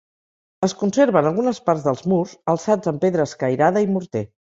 Es conserven algunes parts dels murs, alçats amb pedra escairada i morter.